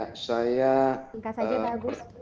tingkat saja pak agus